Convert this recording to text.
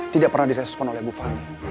tidak pernah direspon oleh bu fani